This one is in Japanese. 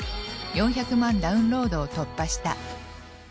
４００万ダウンロードを突破した。